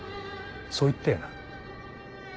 そう言ったよな。